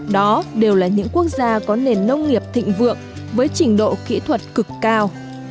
đó đều là những quốc gia có nền nông nghiệp thịnh vượng với trình độ kỹ thuật cực cao